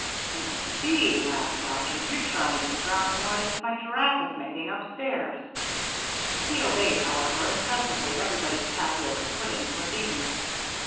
"I see," laughed Roger, "you're trying to drown the noises my giraffe is making upstairs." He obeyed, however, and presently everybody's tapioca pudding was eaten.